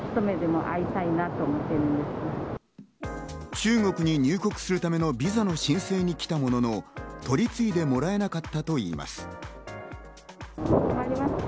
中国に入国するためのビザの申請に来たものの、取り次いでもらえなかったといいます。